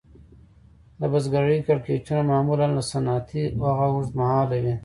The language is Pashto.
د بزګرۍ کړکېچونه معمولاً له صنعتي هغو اوږد مهاله وي